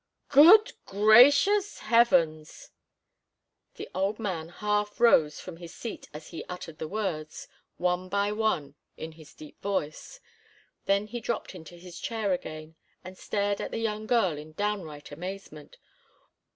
"Good gracious heavens!" The old man half rose from his seat as he uttered the words, one by one, in his deep voice. Then he dropped into his chair again and stared at the young girl in downright amazement.